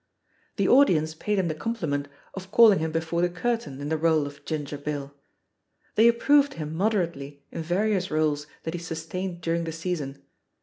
The audience paid him the compliment of calling him before the curtain in the role of "Ginger Bill." They approved him moderately in various roles that he sustained during the season.